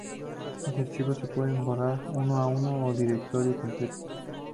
Los archivos se pueden borrar uno a uno, o un directorio completo.